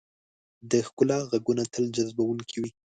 د ښکلا ږغونه تل جذبونکي وي.